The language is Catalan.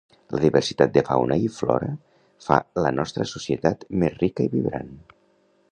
La diversitat de fauna i flora fa la nostra societat més rica i vibrant